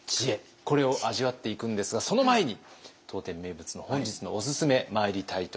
これを味わっていくんですがその前に当店名物の本日のオススメまいりたいと思います。